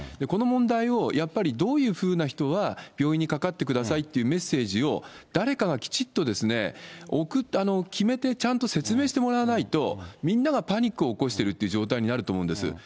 この問題をやっぱりどういうふうな人は、病院にかかってくださいというメッセージを、誰かがきちっと決めてちゃんと説明してもらわないと、みんながパニックを起こしてるという状態になると思うんです。